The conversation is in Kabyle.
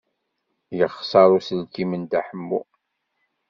Yexṣer uselkim n Dda Ḥemmu.